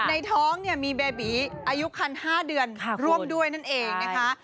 ในท้องเนี่ยมีเบบีอายุคัน๕เดือนร่วมด้วยนั่นเองนะคะ